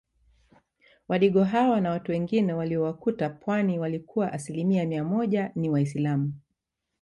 Wadigo hawa na watu wengine waliowakuta pwani walikuwa asilimia mia moja ni waislamu